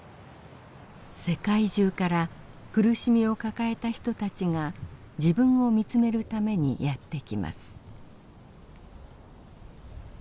世界中から苦しみを抱えた人たちが自分を見つめるためにやって来ます。